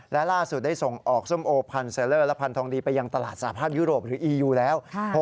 และล่าสุดได้ส่งออกส้มโอพันธ์เซอร์เลอร์และพันธองดีไปยังตลาดสาภาพยุโรปหรืออียูแล้ว